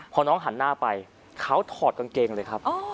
พอน้องหันหน้าไปเขาถอดกางเกงเลยครับ